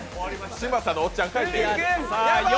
嶋佐のおっちゃん帰ってええよ。